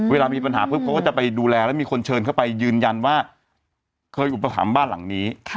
เวลามีปัญหาปุ๊บเขาก็จะไปดูแลแล้วมีคนเชิญเข้าไปยืนยันว่าเคยอุปถัมภ์บ้านหลังนี้